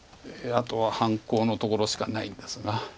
あとは半コウのところしかないんですが。